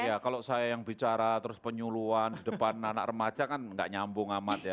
iya kalau saya yang bicara terus penyuluan di depan anak remaja kan nggak nyambung amat ya